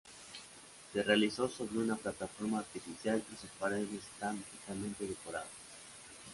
Se realizó sobre una plataforma artificial y sus paredes están ricamente decoradas.